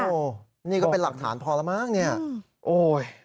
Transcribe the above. โอ้นี่ก็เป็นหลักฐานพอแล้วมากเนี่ย